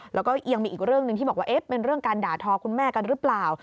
แล้วก็ยังมีอีกเรื่องหนึ่งที่บอกว่าเป็นเรื่องการด่าทอคุณแม่กันหรือเปล่า